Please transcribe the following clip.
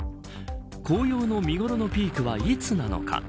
紅葉の見頃のピークはいつなのか。